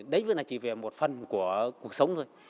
đấy mới là chỉ về một phần của cuộc sống thôi